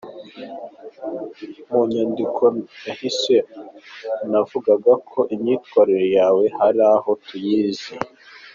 Mu nyandiko yahise navugaga ko imyitwarire yawe hari aho tuyizi.